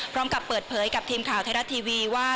พร้อมกับเปิดเผยกับทีมข่าวไทยรัฐทีวีว่า